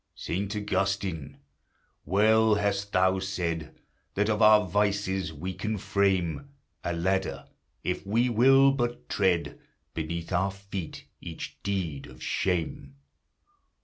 Saint Augustine! well hast thou said, That of our vices we can frame A ladder, if we will but tread Beneath our feet each deed of shame!